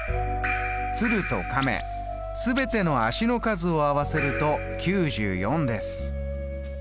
鶴と亀全ての足の数を合わせると９４です。